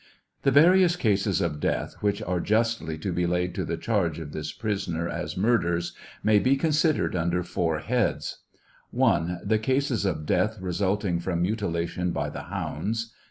The various cases of death which are justly to be laid to the charge of this prisoner as murders, may be considered under four heads : 1. The cases of death resulting from mutilation by the hounds.